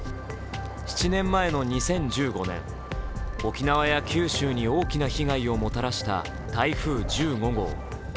７年前の２０１５年、沖縄や九州に大きな被害をもたらした台風１５号。